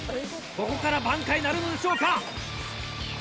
ここから挽回なるのでしょうか？